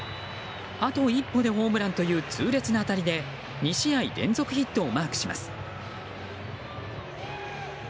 あと一歩でホームランという痛烈な当たりで２試合連続ヒットをマークします。